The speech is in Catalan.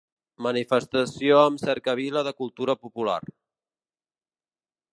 Manifestació amb cercavila de cultura popular.